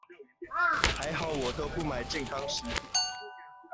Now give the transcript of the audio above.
還好我都不買健康食品